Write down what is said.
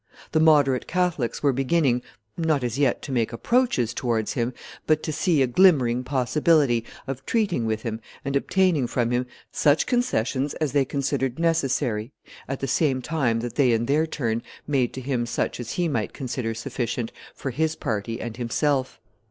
The moderate Catholics were beginning, not as yet to make approaches towards him, but to see a glimmering possibility of treating with him and obtaining from him such concessions as they considered necessary at the same time that they in their turn made to him such as he might consider sufficient for his party and himself.